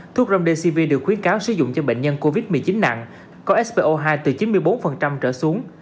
thuốc râm dcv được khuyến cáo sử dụng cho bệnh nhân covid một mươi chín nặng có spo hai từ chín mươi bốn trở xuống